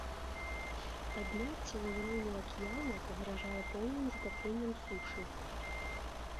Падняцце ўзроўню акіяна пагражае поўным затапленнем сушы.